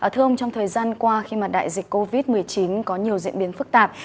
thưa ông trong thời gian qua khi mà đại dịch covid một mươi chín có nhiều diễn biến phức tạp